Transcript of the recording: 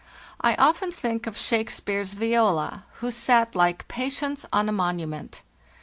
"T often think of Shakespeare's Viola, who sat 'like Patience on a monument.